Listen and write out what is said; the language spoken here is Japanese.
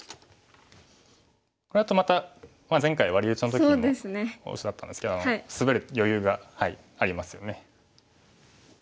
これだとまた前回ワリウチの時にも一緒だったんですけどスベる余裕がありますよね。